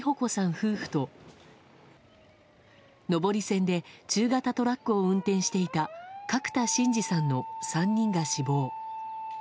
夫婦と上り線で中型トラックを運転していた角田進治さんの３人が死亡。